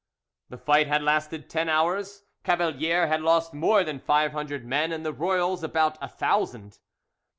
The fight had lasted ten hours, Cavalier had lost more than five hundred men, and the royals about a thousand.